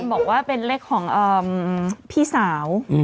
บอกว่าเป็นเลขของพี่สาว